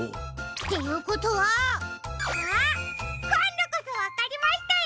っていうことはあっこんどこそわかりましたよ！